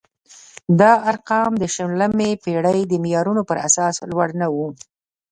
دا ارقام د شلمې پېړۍ د معیارونو پر اساس لوړ نه وو.